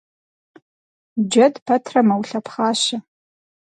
Джэд пэтрэ мэулъэпхъащэ.